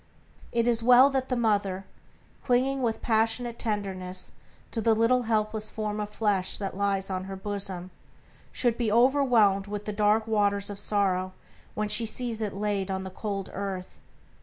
It is well that the mother, clinging with passionate tenderness to the little helpless form of flesh that lies on her bosom, should be overwhelmed with the dark waters of sorrow when she sees it laid in the cold earth.